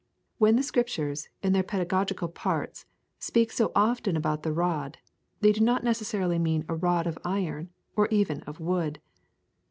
When the Scriptures, in their pedagogical parts, speak so often about the rod, they do not necessarily mean a rod of iron or even of wood.